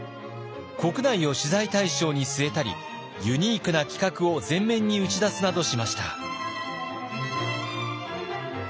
国内を取材対象に据えたりユニークな企画を前面に打ち出すなどしました。